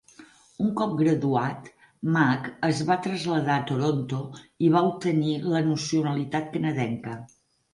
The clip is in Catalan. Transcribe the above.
Un cop graduat, Mak es va traslladar a Toronto i va obtenir la nacionalitat canadenca.